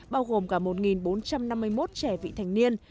bao gồm cả một bốn trăm năm mươi một trẻ vị thành niên